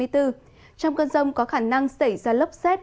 trong cơn rông có khả năng xảy ra lốc xét